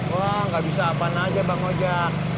wah gak bisa apaan aja bang ojek